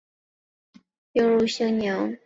南朝齐武帝永明元年又废齐昌并入兴宁。